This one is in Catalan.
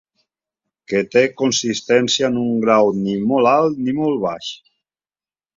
Que té consistència en un grau ni molt alt ni molt baix.